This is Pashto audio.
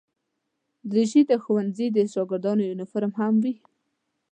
دریشي د ښوونځي د شاګردانو یونیفورم هم وي.